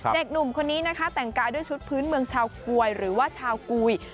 เด็กหนุ่มคนนี้นะคะแต่งกายด้วยชุดพื้นเมืองชาวกวยหรือว่าชาวกุย